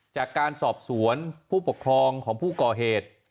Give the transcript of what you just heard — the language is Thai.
จากการสอบสวนผู้ปกครองของผู้ก่อเหตุ